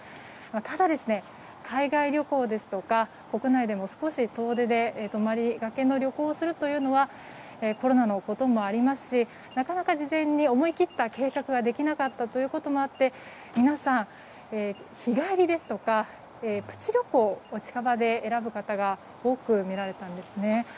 ただ、海外旅行ですとか国内でも、少し遠出で泊まりがけの旅行をするというのはコロナのこともありますしなかなか事前に思い切った計画ができなかったということもあって皆さん日帰りですとかプチ旅行を近場で選ぶ方が多く見られたんです。